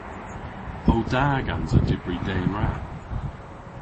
O da gansa dybri dehen rew?